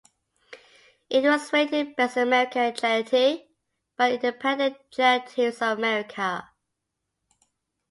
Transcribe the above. It was rated "Best in America Charity" by Independent Charities of America.